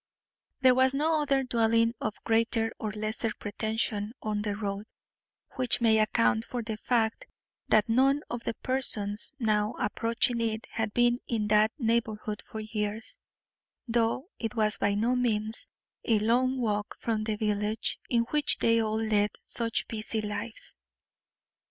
There was no other dwelling of greater or lesser pretension on the road, which may account for the fact that none of the persons now approaching it had been in that neighbourhood for years, though it was by no means a long walk from the village in which they all led such busy lives.